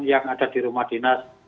yang ada di rumah dinas